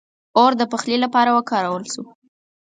• اور د پخلي لپاره وکارول شو.